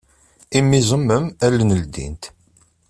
Imi izemmem, allen ldint.